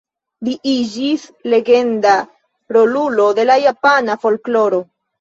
Li iĝis legenda rolulo de la japana folkloro.